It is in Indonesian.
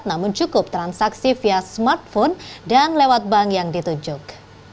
namun cukup transaksi via smartphone dan lewat bank yang ditunjuk